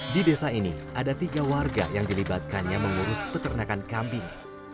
di desa ini ada tiga warga yang dilibatkannya mengurus peternakan kambing